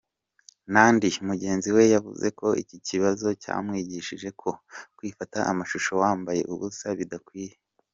Nandy mugenzi we yavuze ko iki kibazo cyamwigishije ko "kwifata amashusho wambaye ubusa bidakwiye.